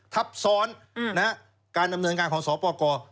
ทับซ้อนนะครับการดำเนินงานของสอปกร